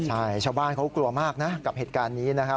ใช่ชาวบ้านเขากลัวมากนะกับเหตุการณ์นี้นะครับ